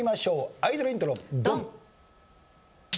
アイドルイントロドン！